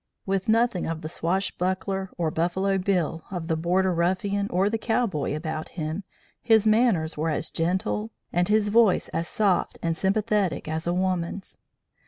With nothing of the swashbuckler or Buffalo Bill of the border ruffian or the cowboy about him, his manners were as gentle, and his voice as soft and sympathetic, as a woman's.